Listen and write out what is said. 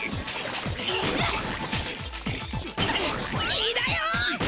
いいだよ！